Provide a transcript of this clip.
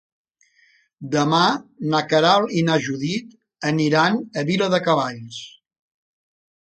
Demà na Queralt i na Judit aniran a Viladecavalls.